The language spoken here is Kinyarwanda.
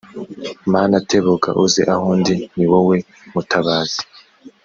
mana tebuka uze aho ndi ni wowe mutabazi